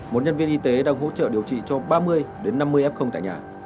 một nhân viên y tế đang hỗ trợ điều trị cho ba mươi năm mươi f tại nhà